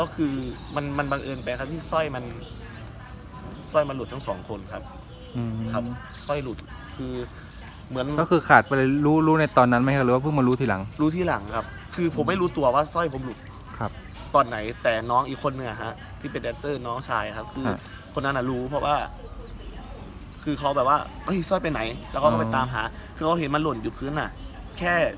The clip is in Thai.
ครับสร้อยหลุดคือเหมือนก็คือขาดไปรู้รู้ในตอนนั้นไหมครับหรือว่าเพิ่งมารู้ทีหลังรู้ทีหลังครับคือผมไม่รู้ตัวว่าสร้อยผมหลุดครับตอนไหนแต่น้องอีกคนนึงอ่ะฮะที่เป็นแดดเซอร์น้องชายครับคือคนนั้นอ่ะรู้เพราะว่าคือเขาแบบว่าเอ้ยสร้อยไปไหนแล้วก็มันไปตามหาคือเขาเห็นมันหล่นอยู่พื้นอ่ะแค